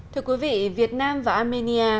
thưa quý vị việt nam và armenia